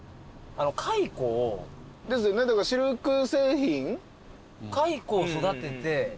蚕を。ですよねだからシルク製品？